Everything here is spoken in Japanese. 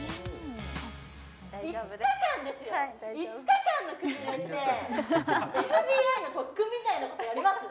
５日間のくびれってＦＢＩの特訓みたいなことやります？